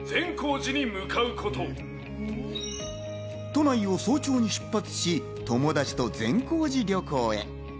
都内を早朝に出発し、友達と善光寺旅行へ。